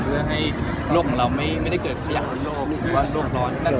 เพื่อให้โลกของเราไม่ได้เกิดขยะโลกหรือว่าโลกร้อนนั่นเองครับ